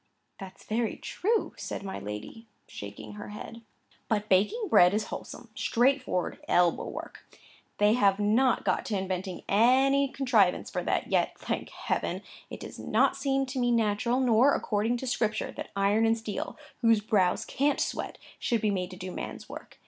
"That's very true!" said my lady, shaking her head. "But baking bread is wholesome, straightforward elbow work. They have not got to inventing any contrivance for that yet, thank Heaven! It does not seem to me natural, nor according to Scripture, that iron and steel (whose brows can't sweat) should be made to do man's work.